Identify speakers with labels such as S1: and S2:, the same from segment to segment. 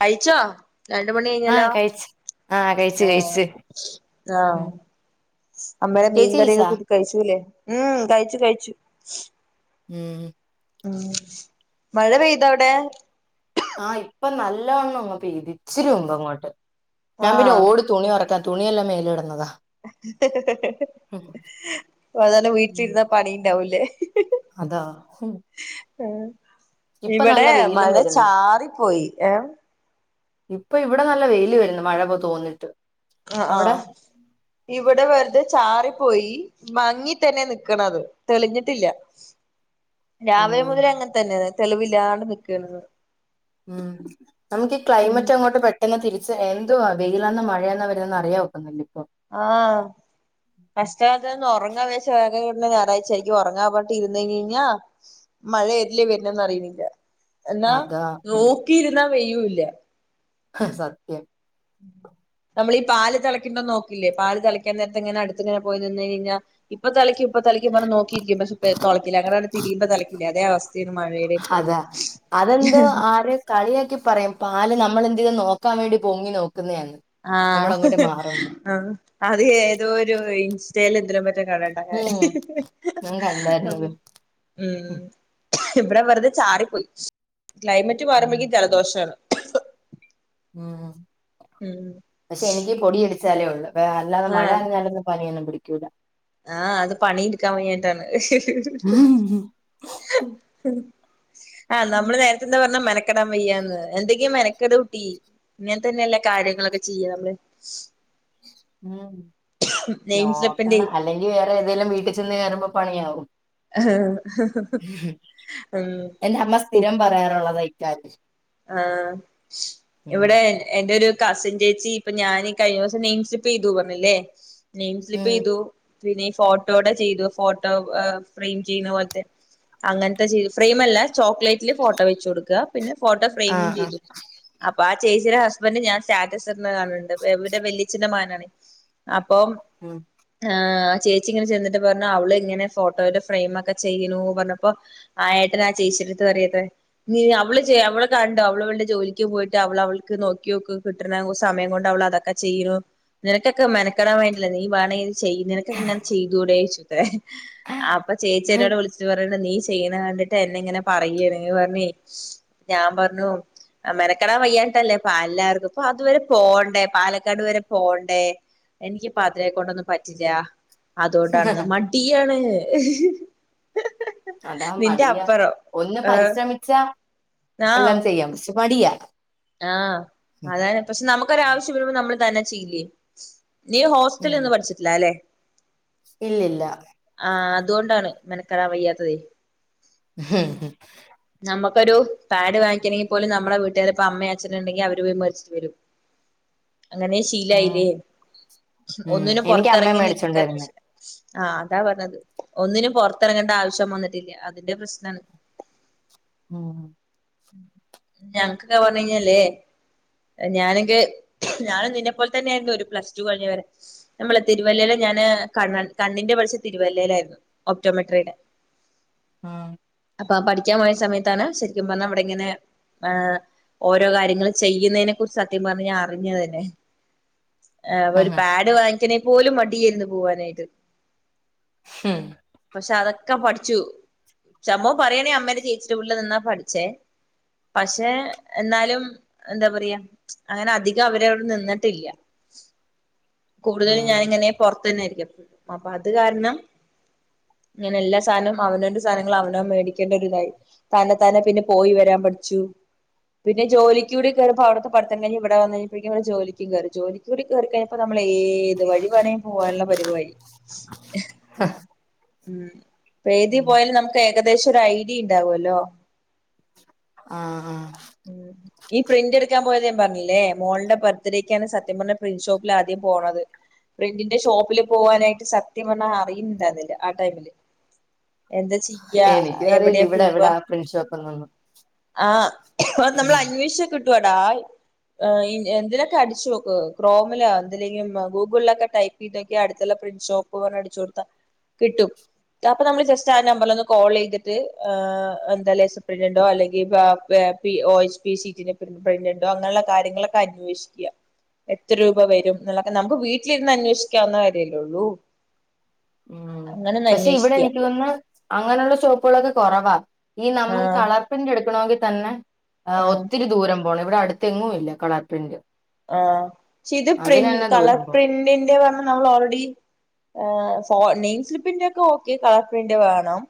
S1: കഴിച്ചോ രണ്ട് മണി
S2: ആഹ്
S1: കഴിഞ്ഞല്ലോ
S2: കഴിച്ച് ആഹ് കഴിച്ച്
S1: ആ
S2: കഴിച്ച്
S1: ആ
S2: ഉം
S1: അമ്മേടെ
S2: ചേച്ചി
S1: മീൻകറിയൊക്കെ
S2: കഴിച്ചാ
S1: കൂട്ടി കഴിച്ചൂ ല്ലേ ഉം കഴിച്ചു കഴിച്ചു
S2: ഉം
S1: ഉം മഴ പെയ്തോ അവടെ
S2: ആഹ് ഇപ്പം നല്ലവണ്ണം അങ്ങ് പെയ്ത് ഇച്ചിരി മുമ്പങ്ങോട്ട് ഞാൻ പിന്നെ
S1: ആഹ്
S2: ഓട് തുണി ഒറക്കാ തുണിയല്ലാം മേലെ ഇടുന്നതാ
S1: അതന്നെ വീട്ടിലിരുന്നാ പണിയുണ്ടാവും ലേ
S2: അതാ ഹും
S1: ഉം ഇവടെ
S2: വെയിലും
S1: മഴ
S2: വരുന്ന്
S1: ചാറിപ്പോയി ഏ
S2: ഇപ്പൊ ഇവിടെ നല്ല വെയില് വരുന്നു മഴപ്പോ തോന്നിട്ട്
S1: ആഹ്
S2: അവിടെ
S1: ആഹ് ഇവ്ടെ വെറുതെ ചാറിപ്പോയി മങ്ങി തന്നെ നിക്കണത് തെളിഞ്ഞിട്ടില്ല രാവിലെ
S2: ഉം
S1: മുതൽ അങ്ങൻത്തന്നെ തെളിവില്ലാണ്ട് നിക്കണത്
S2: ഉം നമുക്ക് ഈ
S1: തുണി
S2: ക്ലൈമറ്റ് അങ്ങോട്ട് പെ എന്നാ തിരിച്ച് എന്തുവാ വെയിലന്ന മഴയന്ന വരുന്നന്ന് അറിയാ വൊക്കത്തില്ല ഇപ്പൊ
S1: ആഹ് കഷ്ടകാലത്തിന് ഒന്ന് ഒറങ്ങാ വിജാരിച്ച [unintelligible] ഞായറാ്ചായിരിക്കും ഒറങ്ങാൻ പക്ഷെ ഇരുന്ന് കഴിഞ് കഴിഞ്ഞാ മഴയേതിലേ വരുന്നെന്ന് അറിയുന്നില്ല എന്നാ
S2: അതാ
S1: നോക്കിയിരുന്നാ വെയ്ലുല്ല
S2: സത്യം
S1: [inaudible] നമ്മളീ പാല് തിളക്കുംബോ നോക്കില്ലേ പാല് തിളക്കാൻ നേരത്ത് ഇങ്ങനെ അടുത്ത്ങ്ങനെ പോയി നിന്ന് കഴിഞ്ഞാ ഇപ്പൊ തിളക്കും ഇപ്പ തളിക്കും പറഞ്ഞ് നോക്കിയിരിക്കും പക്ഷെ പെ തൊളക്കില്ല അങ്ങനാണ്ട് തിരിയുംബോ തെളക്കില്ലേ അതേ അവസ്ഥയാണ് മഴയുടെ ഇപ്പൊ
S2: അതെ അതെന്ത് കളിയാക്കി പറയും പാല് നമ്മളെന്തേലും നോക്കാൻ വേണ്ടി പൊങ്ങി നോക്കുന്നയാന്ന്
S1: ആ ഹ്ഹ്‌
S2: നമ്മളങ്ങോട്ട് മാറുമ്പോ
S1: ഹ് ആ അത് ഏതോ ഒരു [unintelligible] ചേലെന്തിലോ മറ്റോ കാണണ്ടായെ
S2: ഉം
S1: ഹ് ഹ്
S2: ഞാൻ
S1: ഹ്
S2: കണ്ടായിരുന്നത് ഉം
S1: ഉം ഇവിടെ വെറുതെ ചാറിപ്പോയി ക്ലൈമറ്റ് മാറുമ്പ
S2: ഉം
S1: യേക്ക് ജലദോഷാണ്
S2: ഉം
S1: ഉം
S2: പക്ഷെ എനിക്ക് പൊടിയടിച്ചാലേ ഒള്ളൂ പെ അല്ലാതെ മഴ
S1: ആഹ്
S2: നനഞ്ഞാലൊന്നും പനിയൊന്നും പിടിക്കൂല
S1: ആഹ് അത് പണിയിടുക്കാൻ വയ്യാഞ്ഞിട്ടാണ് ഹ് ഹ് ഹ് ആഹ് നമ്മള് നേര ഇജ്ജ് എന്താ പറഞ്ഞ് മെനക്കെടാം വയ്യാന്ന് എന്തെങ്കി മെനക്കെട് കുട്ടി ഇങ്ങൻത്തന്നെല്ലെ കാര്യങ്ങളൊക്കെ ചെയ്യാ നമ്മള്
S2: ഉം
S1: നെയിം സ്ലിപ്പിന്റെ
S2: നോക്കണം അല്ലെങ്കി വേറെ ഏതേലും വീട്ടി ചെന്ന് കേറുമ്പോ പണിയാകും
S1: അഹ് ഹ് ഹ് ഹ്
S2: എന്റമ്മ സ്ഥിരം
S1: കുക്കിംഗ്
S2: പറയാറുള്ളതാ ഇക്കാര്യം
S1: ആഹ്
S2: ഉം
S1: ഇവിടെ എ എന്റൊരു കസിൻ ചേച്ചി ഇപ്പൊ ഞാനീ കഴിഞ്ഞ ദിവസം നെയിം സ്ലിപ്പ് ചെയ്തു പറഞ്ഞില്ലേ നെയിം സ്ലിപ്പ്
S2: ഉം
S1: ചെയ്തു പിന്നെ ഈ ഫോട്ടോയോടെ ചെയ്തു ഫോട്ടോ ഫ്രെയിം ചെയ്യുന്ന പോലത്തെ അങ്ങനത്തെ ചെയ്തു ഫ്രെയിം അല്ല ചോക്ലേറ്റില് ഫോട്ടോ വെച്ച് കൊടുക്ക പിന്നെ ഫോട്ടോ ഫ്രെയിമും
S2: ആഹ് ആഹ്
S1: ചെയ്തു അപ്പൊ ആ ചേച്ചിയുടെ ഹസ്ബൻഡ് ഞാൻ സ്റ്റാറ്റസിടണ കാണണണ്ട് പ്പ ഇവര വല്യച്ഛന്റെ മകനാണ് അപ്പൊ
S2: ഉം
S1: ആഹ് ചേച്ചി ഇങ്ങനെ ചെന്നിട്ട് പറഞ്ഞു അവള് ഇങ്ങനെ ഫോട്ടോയുടെ ഫ്രെയിം ഒക്കെ ചെയ്യണൂന്ന് പറഞ്ഞപ്പോ ആഹ് യേട്ടന് ആ ചേച്ചിടടുത്ത് പറയും അത്രേ യ്യേ അവള് അവൾ കണ്ടൊ അവള് അവളടെ ജോലിക്ക് പോയിട്ട് അവൾ അവൾക്ക് നോക്കിയോക്ക് കിട്ടണ സമയം കൊണ്ട് അവളതക്കെ ചെയ്യു നിനക്കൊക്കെ മെനക്കടാൻ വേണ്ടിയില്ല നീ വാണങ്കിത് ചെയ് നിനക്കിങ്ങനെ ചെയ്തൂടെ ചോയിച്ചിട്ടേ ആഹ് അപ്പൊ ചേച്ചി എന്നോട് വിളിച്ചിട്ട് പറഞ്ഞണ്ട് നീ ചെയ്യണ കണ്ടിട്ടാ എന്നെ ഇങ്ങനെ പറയണേന്ന് പറഞ്ഞേ ഞാൻ പറഞ്ഞു ആ മെനക്കടാ വയ്യാനിട്ടല്ലേ പ്പ എല്ലാവർക്കും ഇപ്പൊ അതുവരെ പോവണ്ടേ പാലക്കാട് വരെ പോവണ്ടേ എനിക്ക് പാതിരായേ കൊണ്ടൊന്നും പറ്റില്ല അതുകൊണ്ടാണെന്ന് മടിയാണ്
S2: അതാ
S1: നിന്റെ
S2: മടിയ
S1: അപ്പറം
S2: ഒന്ന്
S1: ഏഹ്
S2: പരിശ്രമി ച്ച
S1: ആഹ്
S2: എല്ലാം ചെയ്യാം പക്ഷേ മടിയാ
S1: ആഹ്
S2: ഉം
S1: അതാണ് പക്ഷെ നമുക്കൊരാവശ്യം വരുമ്പോ നമ്മള് തന്നെ ചെയെ നീ ഹോസ്റ്റലി
S2: ഉം
S1: നിന്ന് പഠിച്ചിട്ടില്ല ല്ലെ
S2: ഇല്ലില്ല
S1: ആഹ് അതൊണ്ടാണ് മെനക്കെടാൻ വയ്യാത്തതേ
S2: [unintelligible]
S1: നമ്മക്കൊരു പാഡ് വാങ്ങിക്കണങ്കിൽ പോലും നമ്മള വീട്ടുകാരെ ഇപ്പ അമ്മേ അച്ഛനൊ ണ്ടെങ്കി അവര് പോയി മേടിച്ചിട്ട് വരും അങ്ങനെ
S2: ഉം
S1: ശീലായില്ലേ
S2: ഉം
S1: ഒന്നിനും
S2: എനിക്ക് അമ്മേ
S1: പൊറത്തിറങ്ങി
S2: മേടിച്ചോണ്ട്
S1: നിക്കാ
S2: വരുന്നേ
S1: ആഹ് അതാ പറഞ്ഞത് ഒന്നിനും പൊറത്തെറങ്ങേണ്ട ആവശ്യം വന്നിട്ടില്ല അതിന്റെ പ്രശ്നാണ് [unintelligible]
S2: ഉം
S1: ഞങ്ങക്ക്ക്കെ പറഞ്ഞ് കഴിഞ്ഞാലേ ഞാനക്കെ ഞാനും നിന്നെ പോലെ തന്നെയായിരുന്നു ഒരു പ്ലസ് ടു കഴിഞ്ഞ വരെ നമ്മള തിരുവല്ലയില ഞാന് കണ് കണ്ണിന്റെ പഠിച്ച തിരുവല്ലയിലായിരുന്നു ഒപ്റ്റോമെട്രിയുടെ [unintelligible]
S2: ആഹ്
S1: അപ്പൊ പഠിക്കാൻ പോയ സമയത്താണ് ശരിക്കും പറഞ്ഞാൽ അവിടെങ്ങനെ ആഹ് ഓരോ കാര്യങ്ങൾ ചെയ്യുന്നതിനെ കുറിച്ച് സത്യം പറഞ്ഞാ ഞാൻ അറിഞ്ഞത് തന്നെ ആഹ് ഒരു പാഡ് വാങ്ങിക്കണെ പോലും മടിയാർന്നു പോവാനായിട്ട്
S2: ഹും
S1: പക്ഷെ അതൊക്കെ പഠിച്ചു ചമ്പവം പറയണേ അമ്മയുടെ ചേച്ചിടേം വീട്ടില് നിന്നാ പഠിച്ചേ പക്ഷെ എന്നാലും എന്താ പറയാ അങ്ങനെ അധികം അവരവിടെ നിന്നിട്ടില്ല കൂടുതലും
S2: ഉം
S1: ഞാനിങ്ങനെ പൊറത്തന്നൊയിരിക്കാം അപ്പൊ അത് കാരണം ഇങ്ങനെ എല്ലാ സാധനവും അവനോന്റ സാധനങ്ങൾ അവന മേടിക്കേണ്ട ഒരിതായി തന്ന താനെ പിന്നെ പോയി വരാൻ പഠിച്ചു പിന്നെ ഈ ജോലിക്കൂടി കയറിയപ്പ അവിടുത്ത പഠിത്തം കഴിഞ്ഞ് ഇവിടെ വന്ന് കഴിഞ്ഞപ്പഴേക്കും ഇവിടെ ജോലിക്കും കേറി ജോലിക്കൂടി കേറി കഴിഞ്ഞപ്പ ഇപ്പൊ നമ്മൾ ഏത് വഴി വേണേലും പോവാനുള്ള പരിവായി ഉം ഇപ്പ ഏതി
S2: ഉം
S1: പോയാലും നമുക്ക് ഏകദേശം ഒരു ഐഡിയ ഇണ്ടാവൊല്ലോ
S2: ആഹ് ആഹ്
S1: ഉം ഈ പ്രിന്റ് എടുക്കാൻ പോയത് ഞാൻ പറഞ്ഞില്ലേ മോൾടെ ബർത്ത്ഡേക്കാണ് സത്യം പറഞ്ഞാ പ്രിന്റ് ഷോപ്പിൽ ആദ്യം പോണത് പ്രിന്റിന്റെ ഷോപ്പില് പോവാനായിട്ട് സത്യം പറഞ്ഞ അറിയുന്നുണ്ടായിരുന്നില്ല ആ ടൈമില് എന്താ ചെയ്യ
S2: എനിക്കും അറിയില്ല
S1: എവിടെയാ
S2: ഇവിടെ
S1: പോവ
S2: എവിടാ പ്രിന്റ് ഷോപ്പ്ന്നൊന്നും
S1: ആഹ് അത് നമ്മള്
S2: ഉം
S1: അന്വേഷിച്ചാ കിട്ടുവടാ ഏഹ് എന്തിലൊക്കെ അടിച്ചു നോക്ക് ക്രോമിലോ എന്തിലേങ്കിലും ഗൂഗിളിലൊക്കെ ടൈപ്പ്- ഇല്ലെങ്കി അടുത്തുള്ള പ്രിൻ്റ് ഷോപ്പ് പറഞ്ഞ് അടിച്ചു കൊടുത്ത കിട്ടും അപ്പൊ നമ്മള് ജസ്റ്റ് ആ നമ്പറിലൊന്ന് കോൾ ചെയ്തിട്ട് എന്താലേ [unintelligible] അല്ലെങ്കി [unintelligible] ഇ എസ് പി ഷീറ്റിൻ്റെ പ്രിൻ്റ് പെയ്മെൻ്റയൊ അങ്ങനുള്ള കാര്യങ്ങളൊക്കെ അന്വേഷിക്കുക എത്ര രൂപ വരും എന്നുള്ളൊക്കെ നമുക്ക് വീട്ടിലിരുന്ന് അന്വേഷിക്കാവുന്ന കാര്യവല്ലേള്ളൂ
S2: ആഹ് പക്ഷെ ഇവിടെ
S1: അന്വേഷിക്കുക
S2: എനിക്ക് തോന്നുന്ന്- അങ്ങനെയുള്ള ഷോപ്പുകളൊക്കെ കൊറവാ ഈ നമ്മുക്ക്
S1: ആഹ്
S2: കളർപിന്റ് എടുക്കണോങ്കി തന്നെ- ആഹ് ഒത്തിരി ദൂരം പോണം ഇവിടെ അടുത്തെങ്ങും ഇല്ല കളർ പ്രിന്റ്
S1: ആഹ് പക്ഷെ ഇത്
S2: അതിന്
S1: പ്രിൻ്റ്
S2: തന്നെ
S1: കളർ
S2: ദൂരം പോണം
S1: പ്രിന്റിന്റെയാ നമ്മള് ഓൾറെഡി നെയിം സ്ലിപ്പിന്റെ ഒക്കെ ഓക്കെ കളർ പ്രിന്റ് വേണം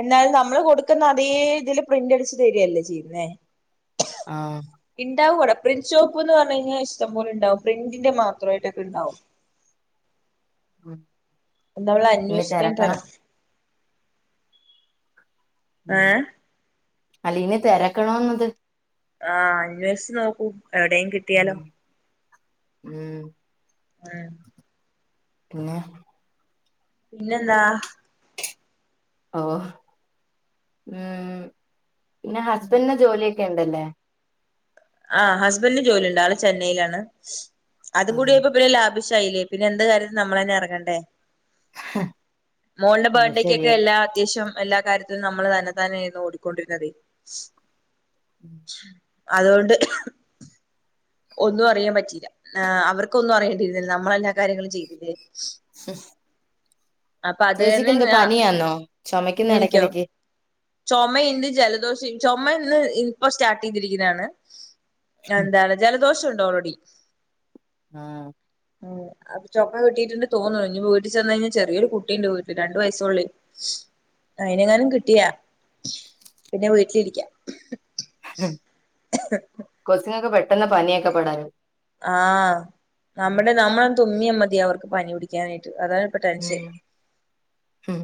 S1: എന്നാല് നമ്മള് കൊടുക്കുന്ന അതേ ഇതില് പ്രിന്റ് അടിച്ച് തരുവല്ലേ ചെയ്യുന്നേ
S2: ആഹ്
S1: ഇണ്ടാവുംടാ അവിടെ പ്രിന്റ്ഷോപ്പ് എന്ന് പറഞ്ഞു കഴിഞ്ഞാ ഇഷ്ടം പോലെ ഇണ്ടാവും പ്രിൻ്റിൻ്റെ മാത്രമായിട്ടൊക്കെണ്ടാവും
S2: [unintelligible]
S1: നമ്മള്
S2: ഇനി
S1: അന്വേഷിക്കാഞ്ഞിട്ടാണ്
S2: തെരക്കണം മം
S1: ഏഹ്
S2: അല്ല ഇനി തെരക്കണ്ണോന്ന് അത്
S1: ആഹ് അന്വേഷിച്ച് നോക്കൂ എവിടെയും കിട്ട്
S2: ഉം
S1: ഉം
S2: പിന്നെ-
S1: പിന്നെ എന്താ
S2: ഓഹ് മം പിന്നെ ഹസ്ബൻഡിന് ജോലിയൊക്കെ ഇണ്ടല്ലേ
S1: ആഹ് ഹസ്ബൻഡിന് ജോലി ഒണ്ട് ആള് ചെന്നൈയിലാണ് അതും
S2: ആഹ്
S1: കൂടെയായപ്പോ പിന്നെ ലാപ്- ശൈയിലി ആയി പിന്നെ എന്ത് കാര്യത്തിനും നമ്മള് തന്നെ എറങ്ങണ്ടേ മോൾടെ
S2: അത്
S1: ബർത്ത്ഡയ്കൊക്കെ
S2: ശരിയാ
S1: എല്ലാ അത്യാവശ്യം- എല്ലാ കാര്യത്തിനും നമ്മള് തന്നെതാനെ ഇരുന്ന് ഓടിക്കൊണ്ടിരുന്ന മതി
S2: [inaudible]
S1: അതുകൊണ്ട്- ഒന്നും അറിയാൻ പറ്റിയില്ല ആ അവർക്കൊന്നും അറിയേണ്ടിയിരുന്നില്ല നമ്മളെല്ലാ കാര്യങ്ങളും ചെയ്തിലേ
S2: ഹും ചേച്ചിക്ക്
S1: തന്നെ
S2: എഎന്തുവാ പനിയാന്നോ ചൊമക്കുന്ന് എടക്കിടക്ക്
S1: ചൊമയിണ്ട് ജലദോഷം ചൊമ ഇന്ന് ഇപ്പൊ സ്റ്റാർട്ട് ചെയ്തിരിക്കുന്നാണ് എന്താണ്- ജലദോഷം ഒണ്ട് ഓൾറെഡി
S2: ആഹ്
S1: ആഹ് അപ്പൊ ചൊമ കിട്ടിട്ടിണ്ട് തോന്നണു ഇനി വീട്ടി ചെന്ന് കഴിഞ്ഞാ ചെറിയൊരു കുട്ടിയുണ്ട് വീട്ടി രണ്ടു വയസേ ഉള്ളൂ അയിനെങ്ങാനും കിട്ടിയാ- പിന്നെ വീട്ടിലിരിക്കാം
S2: കൊച്ചുങ്ങക്ക് പെട്ടെന്ന് ആ പനിയൊക്കെ പടരും
S1: ആ നമ്മുടെ നമ്മളൊന്ന് തുമ്മിയ മതി അവർക്ക് പനി പിടിക്കാനായിട്ട് അതാണ് ഇപ്പൊ ടെൻഷൻ
S2: ഉം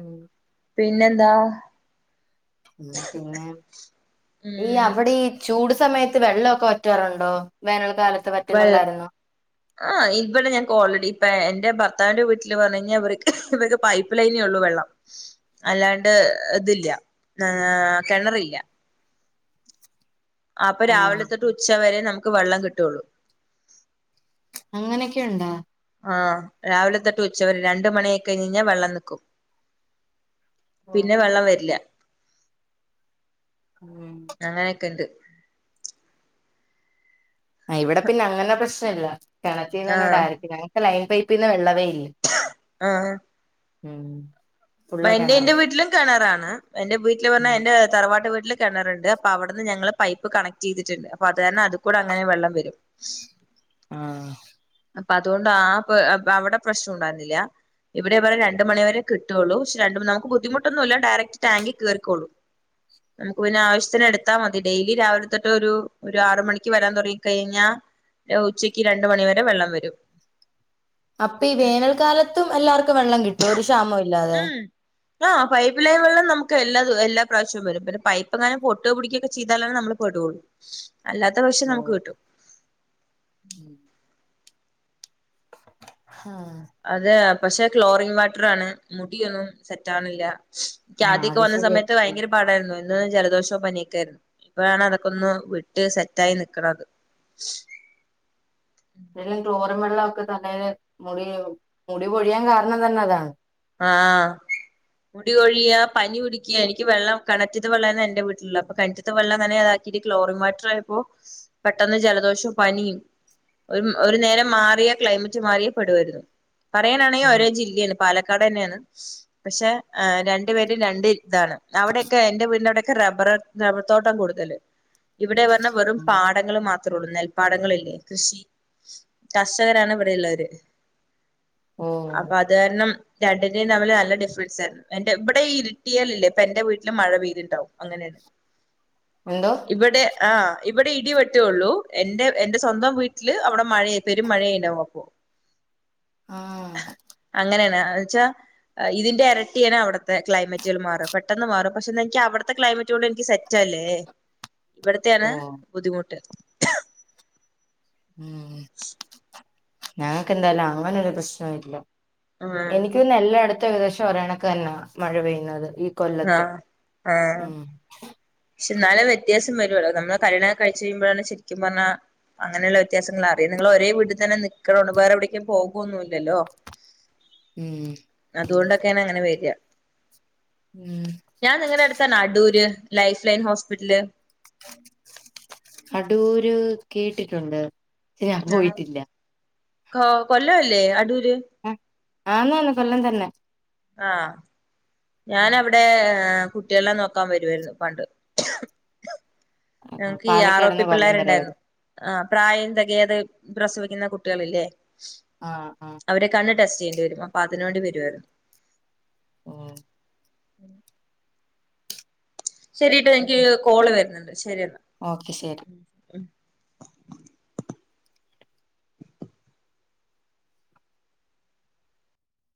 S2: ഉം
S1: പിന്നെന്താ
S2: ഉം പിന്നെ ഈ
S1: ഉം
S2: അവിടെ ഈ ചൂട് സമയത്ത് വെള്ളവൊക്കെ വറ്റാറുണ്ടോ വേനൽ കാലത്ത് വറ്റുന്നുണ്ടായിരുന്നോ
S1: [inaudible] ആ ഇവിടെ ഞങ്ങക്ക് ഓൾറെഡി ഇപ്പ എന്റെ ഭർത്താവിന്റെ വീട്ടിൽ പറഞഴിഞ്ഞാൽ ഇർക്ക് ഇവർക്ക് പൈപ്പ് ലൈനേ ഉള്ളൂ വെള്ളം അല്ലാണ്ട് ഇതില്ല ആ കിണറില്ല ആ അപ്പൊ രാവില
S2: ആഹ്
S1: തൊട്ട് ഉച്ച വരെ നമുക്ക് വെള്ളം കിട്ടുള്ളൂ
S2: അങ്ങനെക്കെ ഉണ്ടോ
S1: ആ രാവിലെ തൊട്ട് ഉച്ചവരേ രണ്ട് മണിയായിക്കയിഞ്ഞഞ്ഞാ വെള്ളം നിക്കും പിന്നെ വെള്ളംവരില്ല
S2: ഉം
S1: അങ്ങനെയൊക്കെണ്ട്
S2: ആ ഇവിടെ പിന്നെ അങ്ങനെ പ്രശ്നം ഇല്ല കിണറ്റീന്ന്ന്ന്
S1: ആഹ്
S2: ഡയറക്റ്റ് ഞങ്ങക്ക് ലൈൻ പൈപ്പിന്ന് വെള്ളവേ ഇല്ല
S1: ആഹ് ആഹ്
S2: ഉം ഫുള്ള്
S1: എന്റെ
S2: കിണറാ
S1: എന്റെ വീട്ടിലും കെണറാണ് എന്റെ വീട്ടില് പറഞ്ഞാ
S2: ഉം
S1: എന്റെ തറവാട്ട് വീട്ടില് കിണറണ്ട് അപ്പൊ അവിടുന്ന് ഞങ്ങള് പൈപ്പ് കണക്ട് ചെയ്തിട്ട്ണ്ട് അപ്പ അത് കാരണം അത്കൂടെഅങ്ങനെ വെള്ളം വരും
S2: ആഹ്
S1: അപ്പൊ അതുകൊണ്ട് ആ അവിടെ പ്രശ്നം ഉണ്ടായിരുന്നില്ല ഇവിടെ ഇവിടെ രണ്ട് മണിവരെ കിട്ടുള്ളൂ പക്ഷെ രണ്ട് മുന്നാക്ക് ബുദ്ധിമുട്ടൊന്നുല്ല ഡയറക്ട് ട്ടാങ്കി കേറിക്കോളും നമുക്ക് പിന്നെ ആവശ്യത്തിന് എടുത്താൽ മതി ഡെയിലി രാവിലെ തൊട്ട് ഒരു ഒരു ആറ് മണിക്ക് വരാൻ തുടങ്ങി കഴിഞ്ഞാ ഉച്ചയ്ക്ക് രണ്ട് മണിവരെ വെള്ളം വരും
S2: അപ്പൊ ഈ വേനൽക്കാലത്തും എല്ലാർക്കും വെള്ളംകിട്ടോ ഒരു ക്ഷാമ ഇല്ലാതെ
S1: ആ പൈപ്പ് ലൈൻ വെള്ളം നമുക്ക് എല്ല എല്ലാ പ്രാവശ്യവും വരും പിന്ന പൈപ്പ് ങ്ങനെ പൊട്ട് പൊട്ടോ പുടിക്കുക്കെ ചെയ്താലാണ് നമ്മൾ പെടോള്ളൂ അല്ലാത്ത പക്ഷേ നമുക്ക് കിട്ടും
S2: [unintelligible] ആഹ്
S1: അതെ പക്ഷെ ക്ലോറിങ് വാട്ടർ ആണ് മുടിയൊന്നും സെറ്റ് ആക്ണില്ല ക്ക്
S2: ആഹ്
S1: ആദ്യക്കെ
S2: അത്
S1: വന്ന
S2: ശരിയാ
S1: സമയത്ത് ഭയങ്കര പാടായിരുന്നു എന്നും ജലദോഷോ പനിയൊക്കെയിരുന്നു ഇപ്പോഴാണ് അതൊക്കെ ഒന്ന് വിട്ട് സെറ്റായി നിക്കണത്
S2: ഈ ക്ലോറിൻവെള്ളക്കെ തന്നെര് മുടി മുടികോഴിയാൻ കാരണം തന്നെ അതാണ്
S1: ആഹ് മുടികൊഴിയാ പനി പിടിക്കുക എനിക്ക് വെള്ളം കണറ്റിലെ വെള്ള എന്റെ വീട്ടിലുള്ള അപ്പ വെള്ളം തന്നെ അതാക്കിയിട്ട് ക്ലോറി വാട്ടറായപ്പോ പെട്ടെന്ന് ജലദോഷവും പനിയും ഒരു ഒരു നേരം മാറിയ ക്ലൈമറ്റ് മാറിയ പെടുവായിരുന്നു പറയാനാണെങ്കിൽ ഒരേ ജില്ലയാണ് പാലക്കാട് തന്നെയാണ് പക്ഷെ ആ രണ്ടു പേരും രണ്ട് ഇതാണ് അവിടെയൊക്കെ എറെ വീടിന്റെ അവിടെയൊക്കെ റബ്ബർ റബ്ബർത്തോട്ടം കൂടുതല് ഇവിടെ പറഞ്ഞ വെറും പാ പാടങ്ങൾ മാത്ര ഉള്ളൂ നെൽപ്പാടങ്ങളില്ലേ കൃഷി കർഷകരാണ് ഇവിടെയള്ളര്
S2: ഓഹ്
S1: അപ്പൊ അത് കാരണം രണ്ടിന്റെയും തമ്മിൽ നല്ല ഡിഫറൻസായ്ര്ന്നു എന്റെ ഇവിടെഈ ഇരിട്ടിയല് ല്ലേ പെര്ന്റെ വീട്ടിലും മഴപെയ്തിണ്ടാവും അങ്ങനെയാണ്
S2: എന്തോ
S1: ഇവിടെ ആ ഇവിടെ ഇടി വെട്ടുകള്ളു എന്റെ എന്റെ സ്വന്തം വീട്ടില് അവിടെ മഴ പെരും മഴെയനുവപൊ
S2: ആഹ്
S1: അങ്ങനെയാണ് അവെച്ചാ അ ഇതിന്റെ എരട്ടിയാണ് അവിടുത്തെ ക്ലൈമറ്റുകൾ മാറും. പെട്ടെന്ന് മാറും പക്ഷേ ന്താ എനിക്കവടത്തെ ക്ലൈമറ്റുകൊണ്ട് എനിക്ക് സെറ്റല്ലേ ഇവിടത്തെയാണ്
S2: ഓഹ്
S1: ബുദ്ധിമുട്ട്
S2: ഞങ്ങക്കെന്തായാലും അങ്ങനൊരു പ്രശ്നമില്ല
S1: ആഹ്
S2: എനിക്ക് പിന്ന എല്ലടുത്തും ഏകദേശം ഒരെണക്ക് തന്നാ മഴ പെയ്യുന്നത് ഇ കൊല്ലത്ത്
S1: ആഹ് ആഹ്
S2: ഉം
S1: പക്ഷെ ന്നാലും വ്യത്യാസം വരുല്ലോ നമ്മള് കല്യാണം കഴിച്ച് കയ്യുമ്പോഴാണ് ശരിക്കും പർഞ്ഞാ അങ്ങനെയുള്ള വ്യത്യാസങ്ങള റീന്ന നിങ്ങളൊരേ വീട്ടി തന്നെ നിക്കക്കണംണ്ട് വേറെവിടേക്കും പോക്കൊന്നുല്ലല്ലോ [inaudible]
S2: ഊം
S1: അതുകൊണ്ടൊക്കെയാണ് അങ്ങനെ വര് അ
S2: ഉം
S1: ഞാൻ നിങ്ങടെ അടുത്തെന്നാ Adoor life line hospital
S2: Adoor കേട്ടിട്ടുണ്ട് ഞാൻ
S1: ആഹ്
S2: പോയിട്ടില്ല
S1: കൊ കൊല്ല അല്ലേ അടൂര്?
S2: അ ആന്നന്ന് കൊല്ലം തന്നെ
S1: ആഹ്
S2: ഉം
S1: ഞാനവിടെ അ കുട്ട്യളെ നോക്കാൻ വരുവായിരുന്നു പണ്ട് എൻക്കി ഈ ആറോപ്പി
S2: പാലക്കാട്ന്ന് കൊല്ലം വരെ
S1: പിള്ളേരുണ്ടാരുന്നു
S2: വരും
S1: ആഹ് പ്രായം തികയാത് പ്രസവിക്കുന്ന കുട്ടികളില്ലേ
S2: ആഹ് ആഹ്
S1: അവരെ കണ്ണ് ടെസ്റ്റ് ചെയ്യണ്ടി വരും അപ്പോ അതിനു വേണ്ടി വരുവാരുന്നു
S2: ആഹ്
S1: ഉം ശരിട്ടോ എനിക്ക് കോള് വരുന്നുണ്ട് ശരിയെന്നാ
S2: ഓക്കെ ശരി